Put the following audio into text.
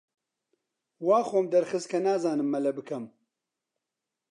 وا خۆم دەرخست کە نازانم مەلە بکەم.